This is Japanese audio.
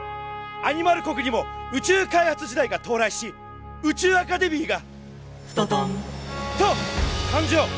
アニマル国にも宇宙開発時代が到来し宇宙アカデミーが「スタタン！」と誕生！